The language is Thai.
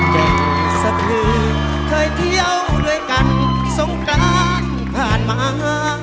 เจ็บสะพือเคยเที่ยวด้วยกันสงกรานผ่านมา